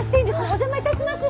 お邪魔致します！